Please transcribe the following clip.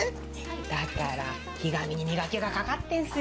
だからひがみに磨きがかかってんすよ！